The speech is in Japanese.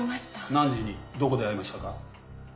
何時にどこで会いましたか？